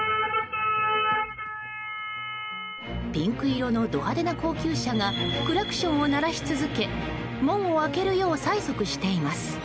ピンク色のド派手な高級車がクラクションを鳴らし続け門を開けるよう催促しています。